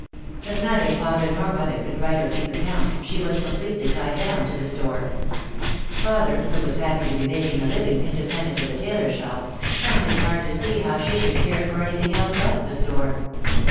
As neither father nor mother could write or keep accounts she was completely tied down to the store. Father, who was happy to be making a living independent of the tailor shop, found it hard to see how she should care for anything else but the store.